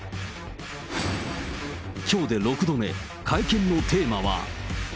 きょうで６度目、会見のテーマは。